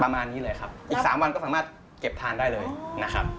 ประมาณนี้เลยครับอีกสามวันก็สามารถเก็บทานได้เลยนะครับ